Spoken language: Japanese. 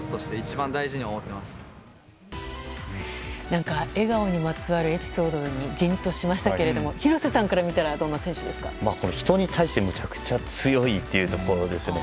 何か笑顔にまつわるエピソードにじんとしましたけれども廣瀬さんから見たら人に対して、めちゃくちゃ強いということですね。